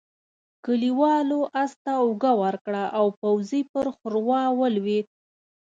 کليوالو آس ته اوږه ورکړه او پوځي پر ښوروا ولوېد.